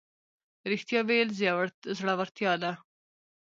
ریښتیا ویل زړورتیا ده